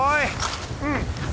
うん。